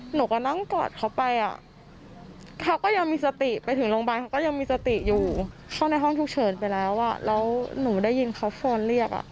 หนูได้ยินเขาโฟนเรียก